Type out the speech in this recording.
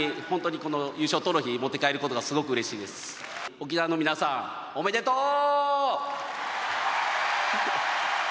沖縄の皆さん、おめでとう！